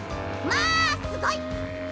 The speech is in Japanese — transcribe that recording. まあすごい！